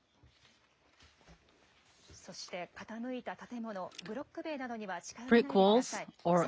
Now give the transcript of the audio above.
そして傾いた建物、ブロック塀などには近寄らないでください。